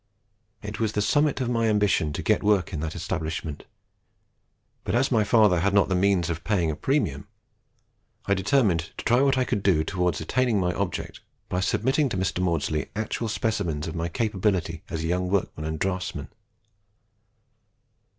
It was the summit of my ambition to get work in that establishment; but as my father had not the means of paying a premium, I determined to try what I could do towards attaining my object by submitting to Mr. Maudslay actual specimens of my capability as a young workman and draughtsman.